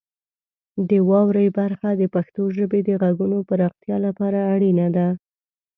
د واورئ برخه د پښتو ژبې د غږونو پراختیا لپاره اړینه ده.